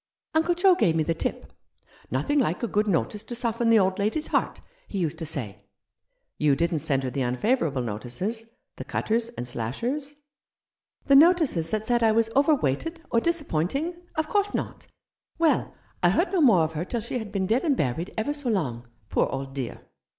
"Uncle Joe gave me the tip. 'Nothing like a good notice to soften the old lady's heart,' he used to say." " You didn't send her the unfavourable notices — the cutters and slashers ?" 10 " How should I greet Thee ?"" The notices that said I was ' overweighted ' or ' disappointing '? Of course not. Well, I heard no more of her till she had been dead and buried ever so long — poor old dear!